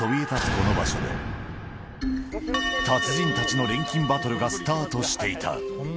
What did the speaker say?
この場所で、達人たちの錬金バトルがスタートしていた。